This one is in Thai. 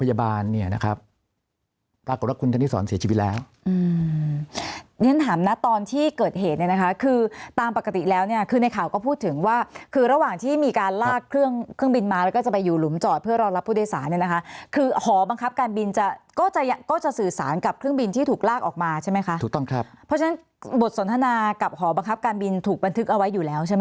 ฉะนั้นถามนะตอนที่เกิดเหตุเนี่ยนะคะคือตามปกติแล้วเนี่ยคือในข่าวก็พูดถึงว่าคือระหว่างที่มีการลากเครื่องเครื่องบินมาแล้วก็จะไปอยู่หลุมจอดเพื่อรอรับผู้โดยสารเนี่ยนะคะคือหอบังคับการบินก็จะสื่อสารกับเครื่องบินที่ถูกลากออกมาใช่ไหมคะถูกต้องครับเพราะฉะนั้นบทสนทนากับหอบังคับการบินถูกบันทึกเอ